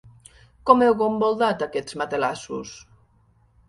Com heu gomboldat aquests matalassos?